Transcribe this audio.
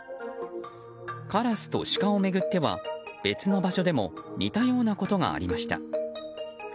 カラスとシカを巡っては別の場所でも似たようなことがありました。